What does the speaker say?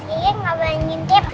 iya gak boleh ngintip